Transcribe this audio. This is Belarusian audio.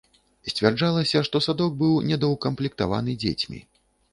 Сцвярджалася, што садок быў недаўкамплектаваны дзецьмі.